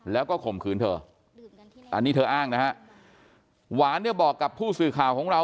แล้วก็ข่มขืนเธออันนี้เธออ้างนะฮะหวานเนี่ยบอกกับผู้สื่อข่าวของเรา